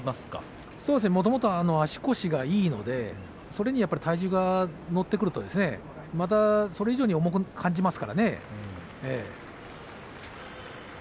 もともと足腰がいいのでそれに体重が乗ってくるとまた、それ以上に重く感じますからね。